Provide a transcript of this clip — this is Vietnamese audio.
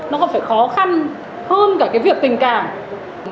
nó còn phải khó khăn hơn cả cái việc tình cảm